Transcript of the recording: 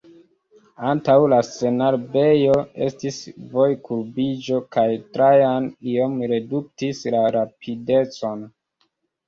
Antaŭ la senarbejo estis vojkurbiĝo kaj Trajan iom reduktis la rapidecon.